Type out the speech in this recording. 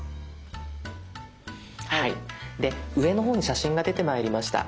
はいで上の方に写真が出てまいりました。